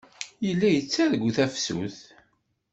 Yella yettargu tafsut.